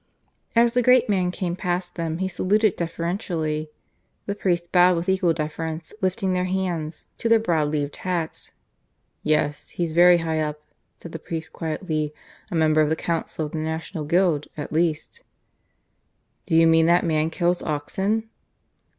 As the great man came past them he saluted deferentially. The priests bowed with equal deference, lifting their hands to their broad leaved hats. "Yes: he's very high up," said the priest quietly. "A member of the Council of the National Guild, at least." "Do you mean that man kills oxen?"